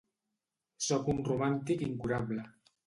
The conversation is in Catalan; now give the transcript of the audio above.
Soc un romàntic incurable.